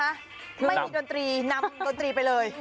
ไม่มีดนตรีนำดนตรีไปเลย